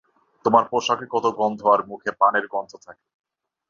তোমার পোশাকে কত গন্ধ আর তোমার মুখে পানের গন্ধ থাকে।